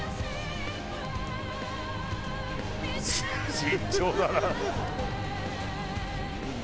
慎重だな。